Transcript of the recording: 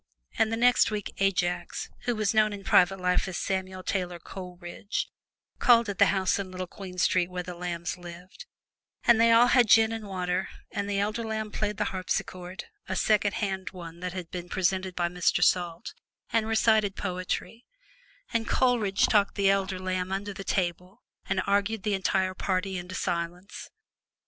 And the next week Ajax, who was known in private life as Samuel Taylor Coleridge, called at the house in Little Queen Street where the Lambs lived, and they all had gin and water, and the elder Lamb played the harpsichord, a secondhand one that had been presented by Mr. Salt, and recited poetry, and Coleridge talked the elder Lamb under the table and argued the entire party into silence.